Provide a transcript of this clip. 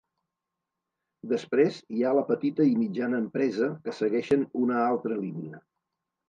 Després hi ha la petita i mitjana empresa, que segueixen una altra línia.